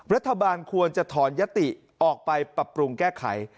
รัฐบาลควรจะถอนยติออกไปปรับปรุงแก้ไข